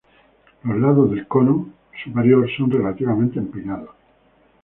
Los lados del cono superior son relativamente empinados.